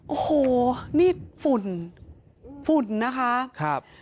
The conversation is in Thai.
โอ้โหนี่ฝุ่นฝุ่นนะคะครับ